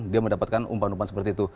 dia mendapatkan umpan umpan seperti itu